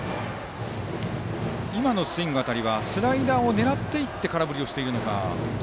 今のスイング辺りはスライダーを狙っていって空振りをしているのか。